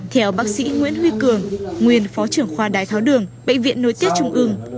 theo bác sĩ nguyễn huy cường nguyên phó trưởng khoa đại tháo đường bệnh viện nối tiết trung ương